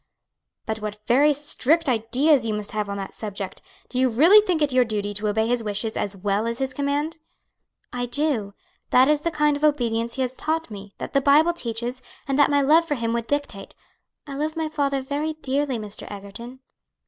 "But what very strict ideas you must have on that subject! do you really think it your duty to obey his wishes as well as his command?" "I do; that is the kind of obedience he has taught me, that the Bible teaches, and that my love for him would dictate. I love my father very dearly, Mr. Egerton."